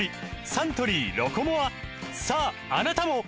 サントリー「ロコモア」さああなたも！